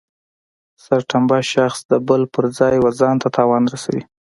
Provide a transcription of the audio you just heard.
سرټنبه شخص د بل پر ځای و ځانته تاوان رسوي.